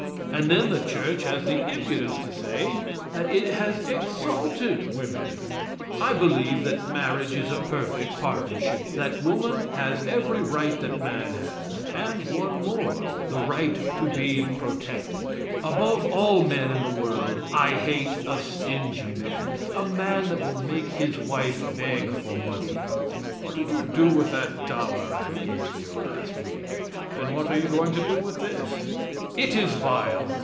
And then the church has the impudence to say that it has exalted women. I believe that marriage is a perfect partnership; that woman has every right that man has and one more the right to be protected. Above all men in the world I hate a stingy man a man that will make his wife beg for money. "What did you do with the dollar I gave you last week? And what are you going to do with this?" It is vile.